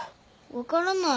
分からない。